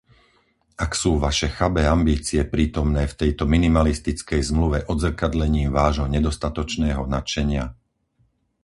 Ak sú vaše chabé ambície prítomné v tejto minimalistickej zmluve odzrkadlením vášho nedostatočného nadšenia?